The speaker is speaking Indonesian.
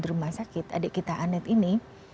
rumah sakit adik kita anet ini